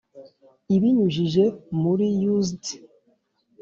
ibinyujije muri usaid.